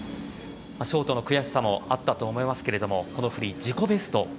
ショートの悔しさもあったと思いますけどこのフリー、自己ベスト。